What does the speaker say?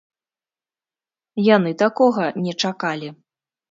Яны такога не чакалі.